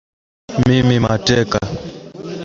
mimi mateka